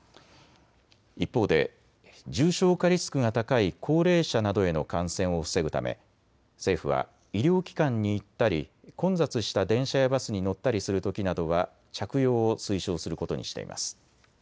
一方で重症化リスクが高い高齢者などへの感染を防ぐため政府は医療機関に行ったり混雑した電車やバスに乗ったりするときなどは着用を推奨することにしています。